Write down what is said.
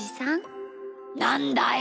なんだい？